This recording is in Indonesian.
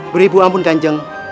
beribu ampun kanjeng